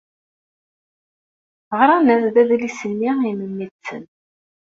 Ɣran-as-d adlis-nni i memmi-tsen.